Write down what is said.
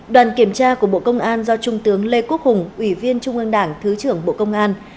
đoàn kiểm tra của bộ công an do trung tướng lê quốc hùng ủy viên trung ương đảng thứ trưởng bộ công an